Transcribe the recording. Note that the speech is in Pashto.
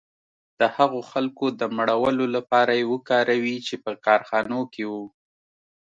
د هغو خلکو د مړولو لپاره یې وکاروي چې په کارخانو کې وو